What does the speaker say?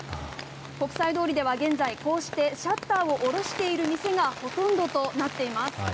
国際通りでは現在、こうしてシャッターを下ろしている店がほとんどとなっています。